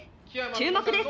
注目です」